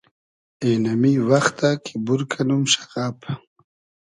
اېنئمی وئختۂ کی بور کئنوم شئغئب